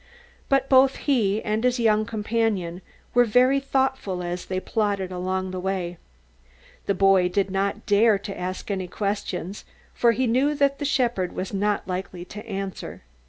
But both he and his young companion were very thoughtful as they plodded along the way. The boy did not dare to ask any questions, for he knew that the shepherd was not likely to answer.